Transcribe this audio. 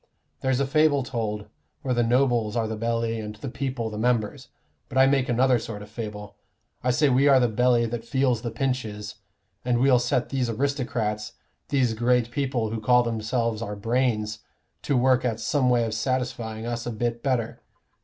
There's a fable told where the nobles are the belly and the people the members. But I make another sort of fable. I say, we are the belly that feels the pinches, and we'll set these aristocrats, these great people who call themselves our brains, to work at some way of satisfying us a bit better.